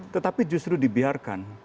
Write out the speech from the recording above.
tetapi justru dibiarkan